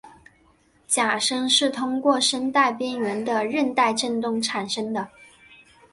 假声是通过声带边缘的韧带振动产生。